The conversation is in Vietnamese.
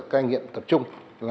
cây nghiện tập trung